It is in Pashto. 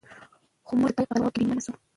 خو موږ به د تاریخ په قضاوت کې بېنومه شو.